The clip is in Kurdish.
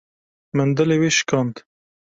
Min dilê wê şikand